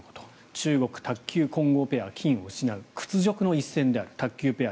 中国卓球混合ペア、金を失う屈辱の一戦卓球ペア